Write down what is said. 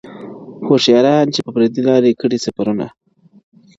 هوښیاران چي پر دې لاري کړي سفرونه.